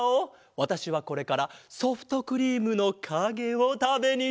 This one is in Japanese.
わたしはこれからソフトクリームのかげをたべにいってくるぞ。